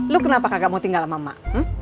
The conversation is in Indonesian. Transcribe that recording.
lu kenapa kagak mau tinggal sama emak